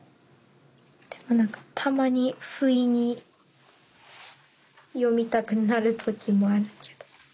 でも何かたまにふいに読みたくなる時もあるけど。